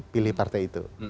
pilih partai itu